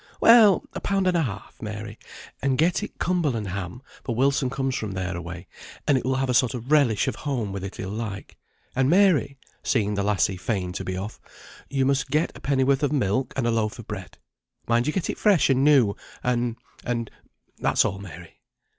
"Well, a pound and a half, Mary. And get it Cumberland ham, for Wilson comes from there away, and it will have a sort of relish of home with it he'll like, and Mary" (seeing the lassie fain to be off), "you must get a pennyworth of milk and a loaf of bread mind you get it fresh and new and, and that's all, Mary."